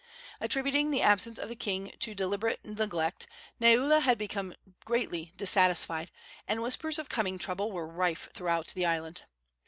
Attributing the absence of the king to deliberate neglect, Neula had become greatly dissatisfied, and whispers of coming trouble were rife throughout the island.